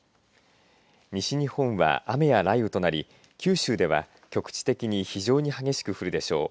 西日本は雨や雷雨となり九州では局地的に非常に激しく降るでしょう。